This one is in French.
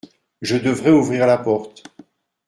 Je devrais ouvrir la porte.